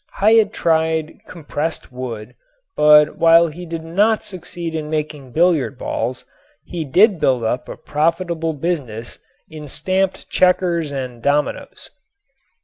Hyatt tried compressed wood, but while he did not succeed in making billiard balls he did build up a profitable business in stamped checkers and dominoes.